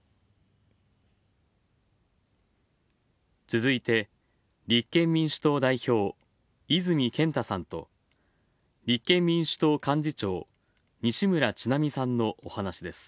続いて、立憲民主党代表泉健太さんと立憲民主党幹事長西村智奈美さんのお話です。